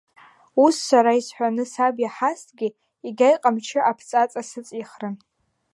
Ус сара исҳәаны саб иаҳазҭгьы, егьа иҟамчы аԥҵаҵа сыҵихрын…